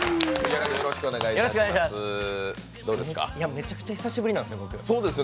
めちゃくちゃ久しぶりなんですよ。